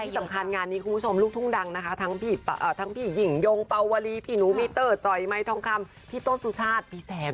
ที่สำคัญงานนี้คุณผู้ชมลูกทุ่งดังนะคะทั้งพี่หญิงยงปาวลีพี่หนูมีเตอร์จอยไมค์ทองคำพี่ต้นสุชาติพี่แสน